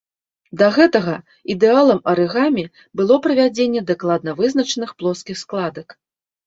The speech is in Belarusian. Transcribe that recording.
Да гэтага ідэалам арыгамі было правядзенне дакладна вызначаных плоскіх складак.